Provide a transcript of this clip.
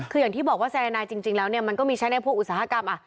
คืออย่างที่บอกว่าสายนายจริงแล้วเนี่ยมันก็มีใช้ในพวกอุตสาหกรรม